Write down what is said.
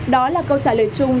đó là câu trả lời chung